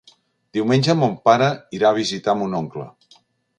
Diumenge mon pare irà a visitar mon oncle.